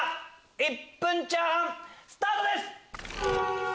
１分炒飯スタートです！